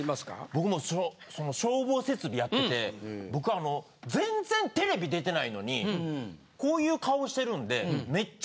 僕もその消防設備やってて僕あの全然テレビ出てないのにこういう顔してるんで。